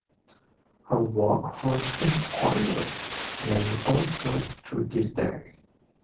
Her work has inspired many authors to this day.